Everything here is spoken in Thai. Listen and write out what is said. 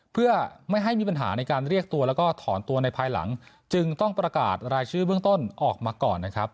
เพื่อไม่ให้มีปัญหาในการเรียกตัวแล้วก็ถอนตัวในภายหลังจึงต้องประกาศรายชื่อเบื้องต้นออกมาก่อนนะครับ